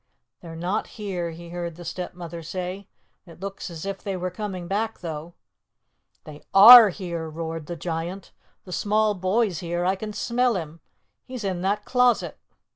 "They're not here," he heard the Stepmother say. "It looks as if they were coming back, though." "They are here," roared the Giant. "The small boy's here. I can smell him. He's in that closet."